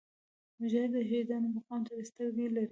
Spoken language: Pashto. مجاهد د شهیدانو مقام ته سترګې لري.